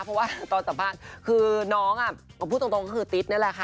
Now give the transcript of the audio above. เพราะว่าตอนสัมภาษณ์คือน้องพูดตรงก็คือติ๊ดนี่แหละค่ะ